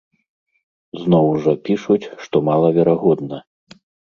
Зноў жа пішуць, што малаверагодна.